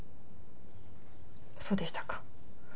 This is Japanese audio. そうでしたか。